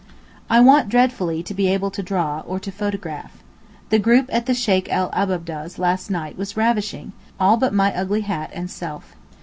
I want dreadfully to be able to draw, or to photograph. The group at the Sheykh el Ababdeh's last night was ravishing, all but my ugly hat and self.